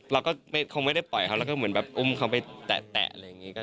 เราก็คงไม่ได้ปล่อยเขาแล้วก็เหมือนแบบอุ้มเขาไปแตะอะไรอย่างนี้